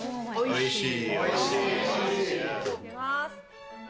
おいしい！